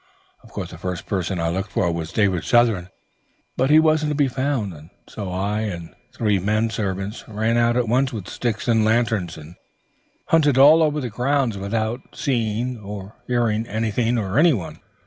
Of course the first person I looked for was David Southern, but he wasn't to be found, so I and three menservants ran out at once with sticks and lanterns, and hunted all over the grounds without seeing or hearing anything or anyone.